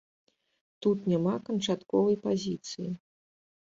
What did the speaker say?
Тут няма канчатковай пазіцыі.